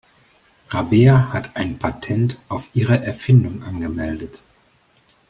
Rabea hat ein Patent auf ihre Erfindung angemeldet.